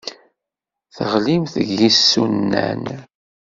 Teɣlimt deg yisunan.